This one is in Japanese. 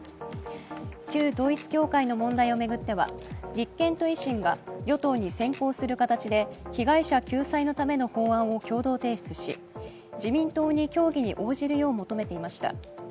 旧統一教会の問題を巡っては立憲と維新が与党に先行する形で被害者救済のための法案を共同提出し、自民党に協議に応じるよう求めていました。